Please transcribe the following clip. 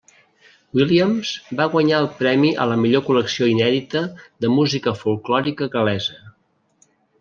Williams va guanyar el premi a la millor col·lecció inèdita de música folklòrica gal·lesa.